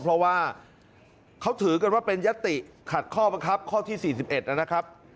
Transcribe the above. เพราะว่าเขาถือกันว่าเป็นยติขัดข้อบังคับข้อที่๔๑นะครับ